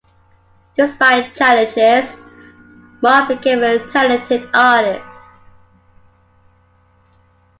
Despite challenges, Mark became a talented artist.